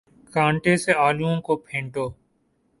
کانٹے سے آلووں کو پھینٹو